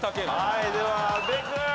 はいでは阿部君。